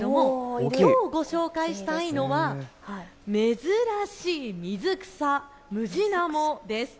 きょうご紹介したいのは珍しい水草、ムジナモです。